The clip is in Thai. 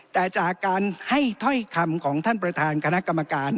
แต่จากการให้ถ้อยคำของท่านประธานคณะกรรมการ